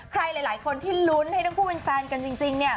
ใครหลายคนที่ลุ้นให้ทั้งคู่เป็นแฟนกันจริงเนี่ย